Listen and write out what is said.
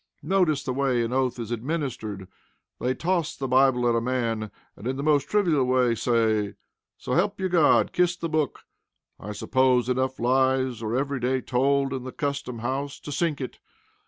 Notice the way an oath is administered. They toss the Bible at a man, and in the most trivial way say: "So help you God kiss the book." I suppose enough lies are every day told in the custom house to sink it.